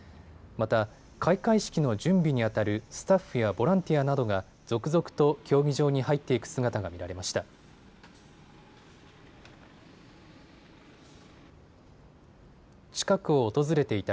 また開会式の準備にあたるスタッフやボランティアなどが続々と競技場に入っていく姿が見られました。